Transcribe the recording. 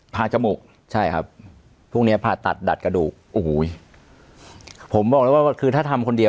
จมูกใช่ครับพวกเนี้ยผ่าตัดดัดกระดูกโอ้โหผมบอกเลยว่าคือถ้าทำคนเดียว